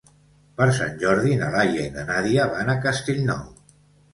Per Sant Jordi na Laia i na Nàdia van a Castellnou.